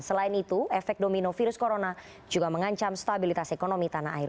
selain itu efek domino virus corona juga mengancam stabilitas ekonomi tanah air